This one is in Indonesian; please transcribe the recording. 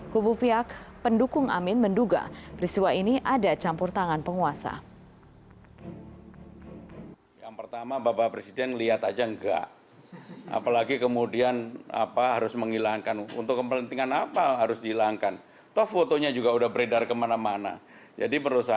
kubu pihak pendukung amin menduga peristiwa ini ada campur tangan penguasa